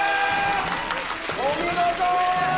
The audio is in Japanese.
お見事！